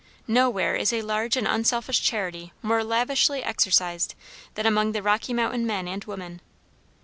Nowhere is a large and unselfish charity more lavishly exercised than among the Rocky Mountain men and women.